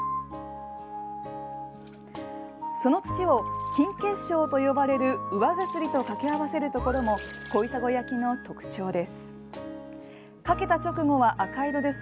その土を金結晶と呼ばれる釉薬と掛け合わせるところも小砂焼の特徴です。